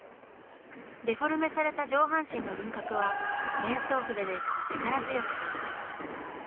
デフォルメされた上半身の輪郭は面相筆で力強く。